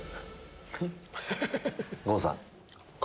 郷さん。